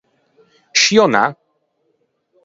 Scì ò na?